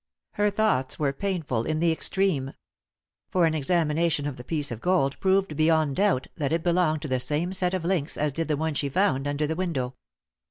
Her thoughts were painful in the extreme. For an examination of the piece of gold proved beyond doubt that it belonged to the same set of links as did the one she found under the window.